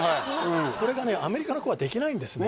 これがねアメリカの子はできないんですね